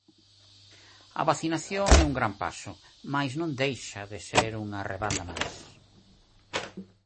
A vacinación é un gran paso, mais non deixa de ser unha rebanda máis.